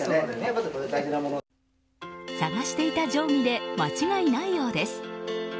探していた定規で間違いないようです。